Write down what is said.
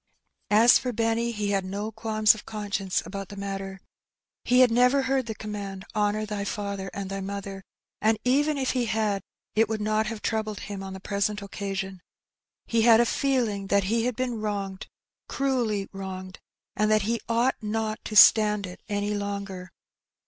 As for Benny, he had no qualms of conscience about the matter. He had never heard the command, "Honour thy father and thy mother,^' and even if he had, it would not have troubled him on the present occasion. He had a feeling that he had been wronged, cruelly wronged, and that he ought not to stand it any longer.